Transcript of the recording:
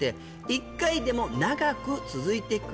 「１回でも長く続いてくれれば」